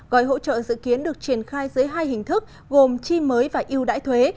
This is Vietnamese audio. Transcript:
gói hỗ trợ dự kiến được triển khai dưới hai hình thức gồm chi mới và yêu đãi thuế